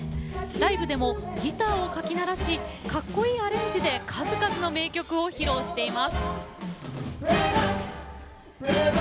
ライブでもギターをかき鳴らしかっこいいアレンジで数々の名曲を披露しています。